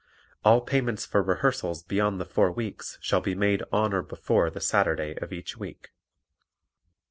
All payments for rehearsals beyond the four weeks shall be made on or before the Saturday of each week.